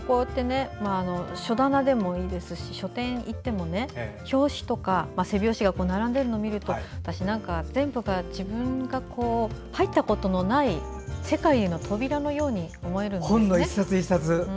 書棚でもいいですし書店に行っても表紙とか背表紙が並んでいるのを見ると私、全部が自分が入ったことのない世界への扉のように思えるんですよね。